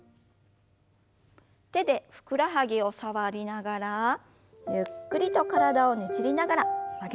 手でふくらはぎを触りながらゆっくりと体をねじりながら曲げましょう。